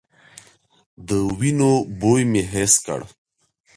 د وينو بوی مې حس کړ.